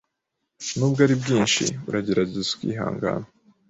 Nubwo ari bwinshi, uragerazeza ukihangana